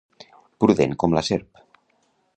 Prudent com la serp.